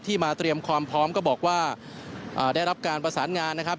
มาเตรียมความพร้อมก็บอกว่าได้รับการประสานงานนะครับ